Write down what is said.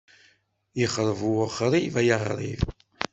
Yexreb wexrib ay aɣrib.